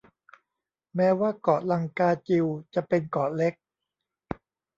แม้ว่าเกาะลังกาจิวจะเป็นเกาะเล็ก